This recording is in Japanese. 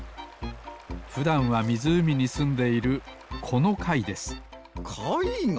ふだんはみずうみにすんでいるこのかいですかいが！？